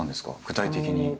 具体的に。